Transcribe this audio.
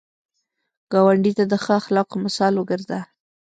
ګاونډي ته د ښه اخلاقو مثال وګرځه